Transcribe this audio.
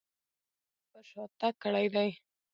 هره ورځ یې پر شا تګ کړی دی.